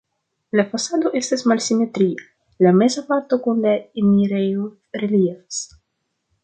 La fasado estas malsimetria, la meza parto kun la enirejo reliefas.